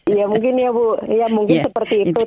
iya mungkin ya ibu mungkin seperti itu